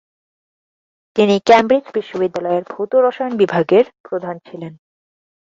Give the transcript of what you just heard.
তিনি কেমব্রিজ বিশ্ববিদ্যালয়ের ভৌত রসায়ন বিভাগের প্রধান ছিলেন।